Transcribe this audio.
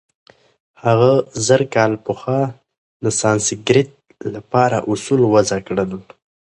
هغه زرکال پخوا د سانسکریت له پاره اوصول وضع کړل.